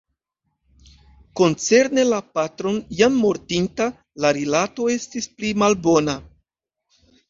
Koncerne la patron, jam mortinta, la rilato estis pli malbona.